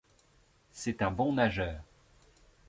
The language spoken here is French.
C'est un bon nageur.